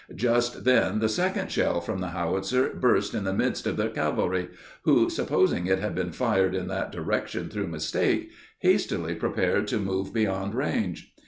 Just then the second shell from the howitzer burst in the midst of their cavalry, who, supposing it had been fired in that direction through mistake, hastily prepared to move beyond range.